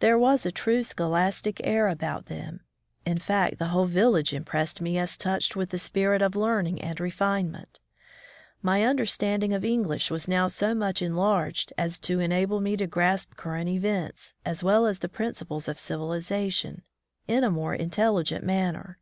There was a true scholastic air about them; in fact, the whole village impressed me as touched with the spirit of learning and refinement. My understanding of English was now so much enlarged as to enable me to grasp current events, as well as the principles of civiliza tion, in a more intelligent manner.